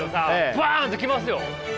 バンと来ますよ。